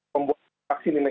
pembuatan vaksin ini